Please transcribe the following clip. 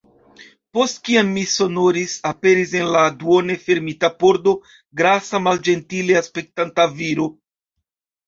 Post kiam mi sonorigis, aperis en la duone fermita pordo grasa malĝentile aspektanta viro.